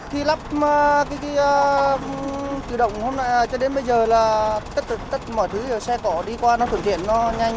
khi lắp cái kỳ động hôm nay cho đến bây giờ là tất cả mọi thứ xe cỏ đi qua nó thưởng thiện nó nhanh